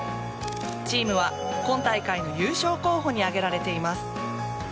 チームは今大会の優勝候補に挙げられています。